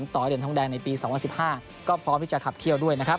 ต่อเหรียญทองแดงในปี๒๐๑๕ก็พร้อมที่จะขับเคี่ยวด้วยนะครับ